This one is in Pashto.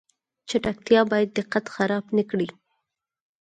چټکتیا باید دقت خراب نکړي